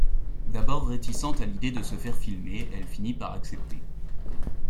D’abord réticente à l’idée de se faire filmer elle finit par accepter.